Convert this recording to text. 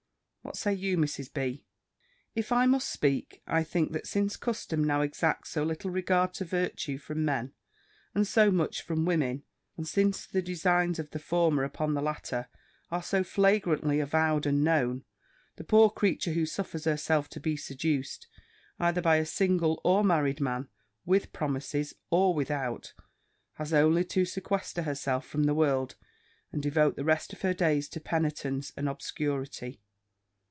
What say you, Mrs. B.?" "If I must speak, I think that since custom now exacts so little regard to virtue from men, and so much from women, and since the designs of the former upon the latter are so flagrantly avowed and known, the poor creature, who suffers herself to be seduced, either by a single or married man, with promises, or without, has only to sequester herself from the world, and devote the rest of her days to penitence and obscurity.